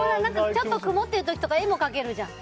ちょっと曇ってる時とか絵も描けるじゃん。